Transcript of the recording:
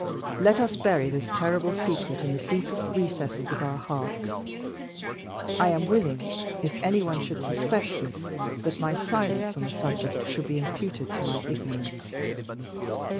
Let us bury this terrible secret in the deepest recesses of our hearts; I am willing, if anyone should suspect this, that my silence on the subject should be imputed to my ignorance.